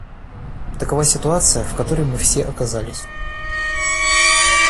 Такова ситуация, в которой мы все оказались.